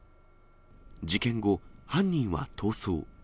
事件後、犯人は逃走。